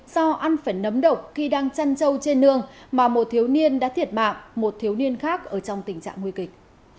do ăn phải nấm độc khi đang chăn trâu trên nương mà một thiếu niên đã thiệt mạng một thiếu niên khác ở trong tình trạng nguy kịch